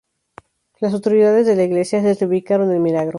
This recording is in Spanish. Las autoridades de la Iglesia certificaron el milagro.